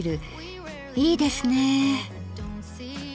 いいですね。